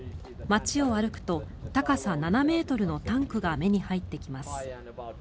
街を歩くと高さ７ｍのタンクが目に入ってきます。